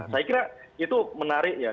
saya kira itu menarik ya